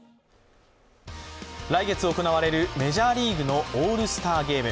来月行われるメジャーリーグのオールスターゲーム。